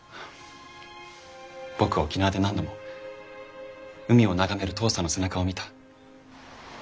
僕は沖縄で何度も海を眺める父さんの背中を見た。